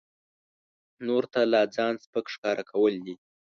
نورو ته لا ځان سپک ښکاره کول دي.